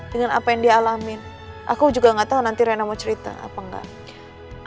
dengan apa yang dia alamin aku juga gak tahu nanti rena mau cerita apa enggak